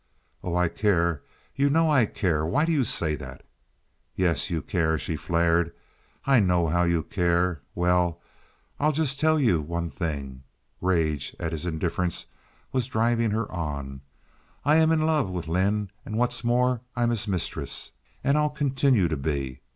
"Oh, I care. You know I care. Why do you say that?" "Yes, you care," she flared. "I know how you care. Well, I'll just tell you one thing"—rage at his indifference was driving her on—"I am in love with Lynde, and what's more, I'm his mistress. And I'll continue to be.